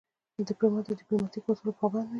ډيپلومات د ډیپلوماتیکو اصولو پابند وي.